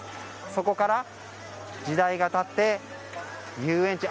そこから時代が経って、遊園地。